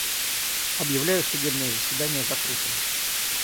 Объявляю судебное заседание закрытым.